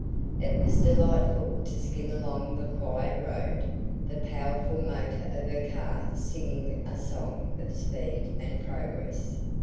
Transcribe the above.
It was delightful to skim along the quiet road, the powerful motor of her car singing a song of speed and progress.